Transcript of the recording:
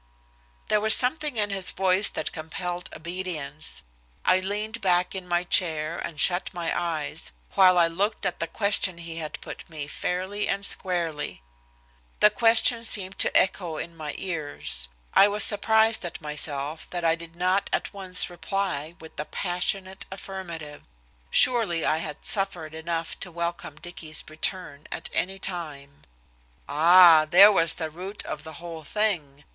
There was something in his voice that compelled obedience. I leaned back in my chair and shut my eyes, while I looked at the question he had put me fairly and squarely. The question seemed to echo in my ears. I was surprised at myself that I did not at once reply with a passionate affirmative. Surely I had suffered enough to welcome Dicky's return at any time. Ah! there was the root of the whole thing.